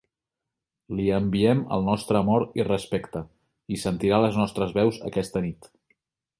Li enviem el nostre amor i respecte, i sentirà les nostres veus aquesta nit.